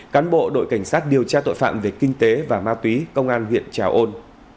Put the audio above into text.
cán bộ đội cảnh sát điều tra tội phạm về kinh tế và ma túy công an huyện trà ôn